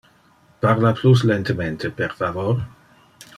Parla plus lentemente, per favor